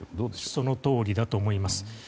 その通りだと思います。